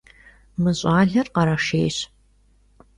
Mı ş'aler khereşşêyş.